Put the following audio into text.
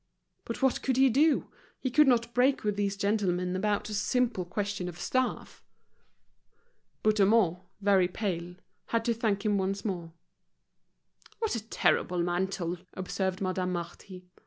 But what could he do? he could not break with these gentlemen about a simple question of staff. Bouthemont, very pale, had to thank him once more. "What a terrible mantle," observed Madame Marty.